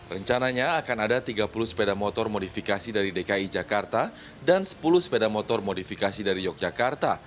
rencananya akan ada tiga puluh sepeda motor modifikasi dari dki jakarta dan sepuluh sepeda motor modifikasi dari yogyakarta